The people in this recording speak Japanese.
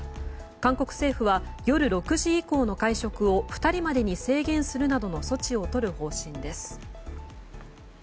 韓国政府は夜６時以降の会食を２人までに制限するなどの措置をとる方針です。